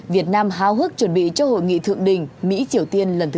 việt nam hào hức chuẩn bị cho hội nghị thượng đỉnh mỹ triều tiên lần thứ hai